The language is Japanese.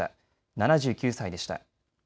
７９歳でした。